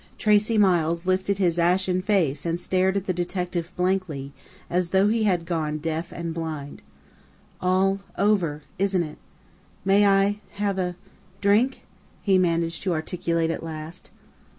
Tracey Miles lifted his ashen face and stared at the detective blankly, as though he had gone deaf and blind. "All over isn't it? May I have a drink?" he managed to articulate at last.